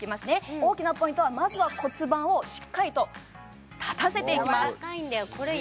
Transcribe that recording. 大きなポイントはまずは骨盤をしっかりと立たせていきます